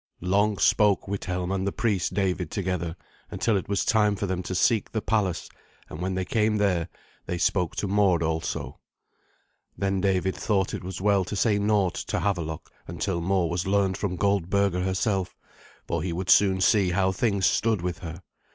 Long spoke Withelm and the priest David together, until it was time for them to seek the palace; and when they came there, they spoke to Mord also. Then David thought it was well to say naught to Havelok until more was learned from Goldberga herself, for he would soon see how things stood with her.